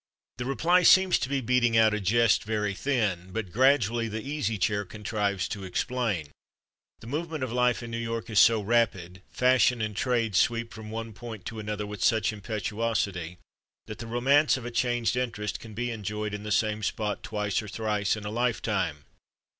The reply seems to be beating out a jest very thin; but gradually the Easy Chair contrives to explain. The movement of life in New York is so rapid, fashion and trade sweep from one point to another with such impetuosity, that the romance of changed interest can be enjoyed in the same spot twice or thrice in a lifetime.